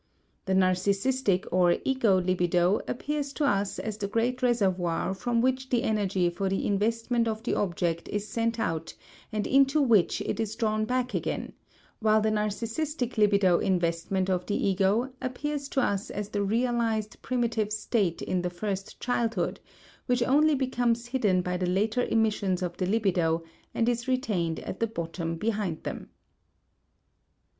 The narcissistic or ego libido appears to us as the great reservoir from which the energy for the investment of the object is sent out and into which it is drawn back again, while the narcissistic libido investment of the ego appears to us as the realized primitive state in the first childhood, which only becomes hidden by the later emissions of the libido, and is retained at the bottom behind them.